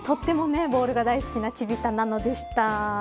とてもボールが大好きなチビ太なのでした。